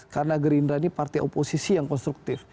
karena gerindra ini partai oposisi yang konstruktif